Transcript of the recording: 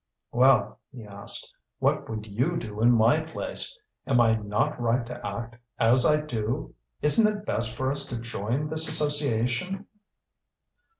"Well," he asked, "what would you do in my place? Am I not right to act as I do? Isn't it best for us to join this association?"